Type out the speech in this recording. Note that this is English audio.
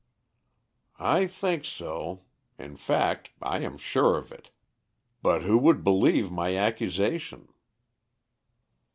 "I think so; in fact I am sure of it. But who would believe my accusation?"